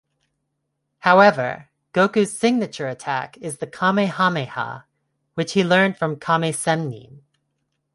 However, Goku's signature attack is the "Kamehameha", which he learned from Kame-Sen'nin.